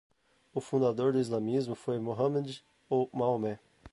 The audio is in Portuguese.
O fundador do islamismo foi Mohammad, ou Maomé